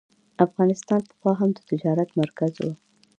افغانستان پخوا هم د تجارت مرکز و.